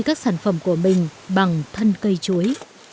cói sản phẩm của mình bằng thân cây chuối